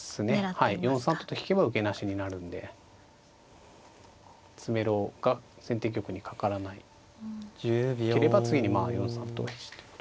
はい４三とと引けば受けなしになるんで詰めろが先手玉にかからなければ次にまあ４三と引くってことですね。